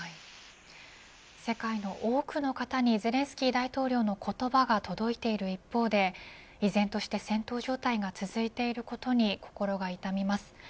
世界の多くの方にゼレンスキー大統領の言葉が届いている一方で、依然として戦闘状態が続いていることに心が痛みます。